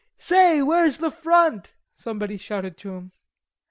"Say, where's the front?" somebody shouted to him.